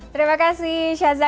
terima kasih syaza